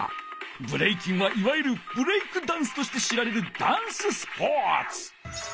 ブレイキンはいわゆるブレイクダンスとして知られるダンススポーツ！